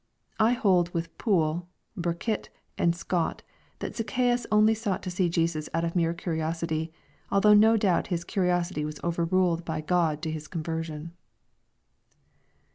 I hold with Poole, Burkitt, and Scott, that Zacchaeus only sought to see Jesus out of mere curiosity, although no doubt his curiosity was overruled by Grod to his conversion.